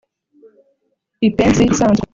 Ipensi isanzwe,